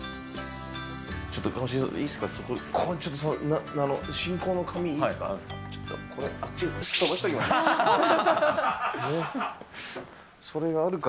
ちょっと上重さん、いいっすか、ここ、ちょっと進行の紙いいですか。